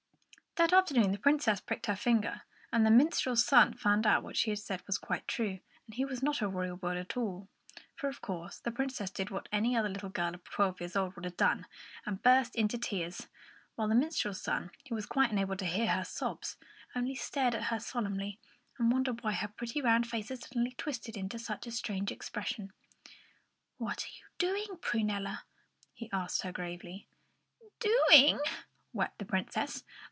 That afternoon, the Princess pricked her finger, and the minstrel's son found out that what she had said was quite true, and he was not a real boy at all. For, of course, the Princess did what any other little girl of twelve years old would have done, and burst into tears; while the minstrel's son, who was quite unable to hear her sobs, only stared at her solemnly, and wondered why her pretty round face had suddenly twisted itself into such a strange expression. "What are you doing, Prunella?" he asked her gravely. "Doing!" wept the Princess.